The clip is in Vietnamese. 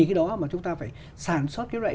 khi đó mà chúng ta phải sản xuất cái loại